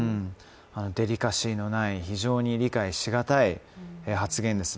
デリカシーのない、非常に理解し難い発言です。